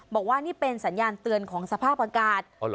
บอกว่านี่เป็นสัญญาณเตือนของสภาพอากาศ